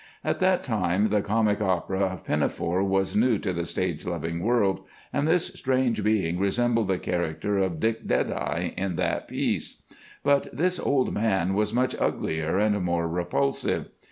At that time the comic opera of 'Pinafore' was new to the stage loving world, and this strange being resembled the character of 'Dick Deadeye' in that piece. But this old man was much uglier and more repulsive.